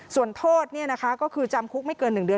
ส่วนโทษเนี่ยนะคะก็คือจำคุกไม่เกินหนึ่งเดือน